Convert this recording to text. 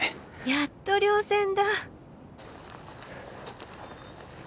やっと稜線だ！え